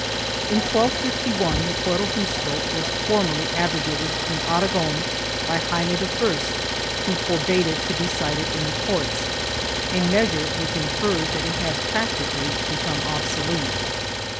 In 1251 the Fuero Juzgo was formally abrogated in Aragon by Jaime I, who forbade it to be cited in the courts — a measure which infers that it had practically become obsolete.